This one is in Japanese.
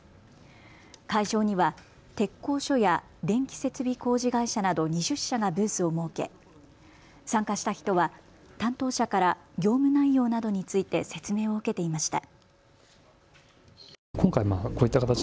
会場には鉄工所や電気設備工事会社など２０社がブースを設け参加した人は担当者から業務内容などについて説明を受けていました。